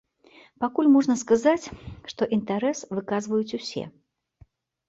Пакуль можна сказаць, што інтарэс выказваюць усе.